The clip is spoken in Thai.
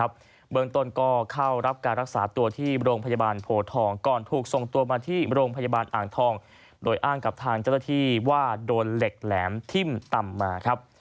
เบื้องต้นก็เข้ารับการรักษาตัวที่โรงพยาบาลโพทองก่อนถูกส่งตัวมาที่โรงพยาบาลอ่างทองโดยอ้างกับทางเจ้าหน้าที่ว่าโดนเหล็กแหลมทิ้มต่ำมาครับ